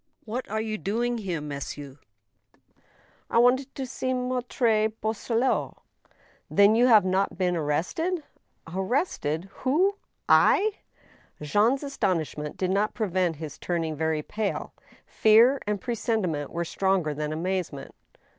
" What are you doing here, monsieur ?" *M wanted to see Maitre Boisselot." " Then you have not been arrested ?" "Arrested?— Who? I?" Jean's astonishment did not prevent his turning very pale. Fear and presentiment were stronger than amazement.